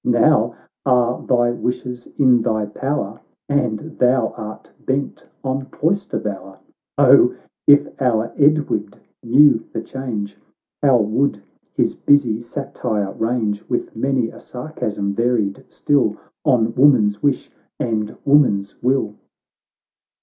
Now are thy wishes in thy power, And thou art bent on cloister bower ! O ! if our Edward knew the change, How would his busy satire range, With many a sarcasm varied still On woman's wish, and woman's will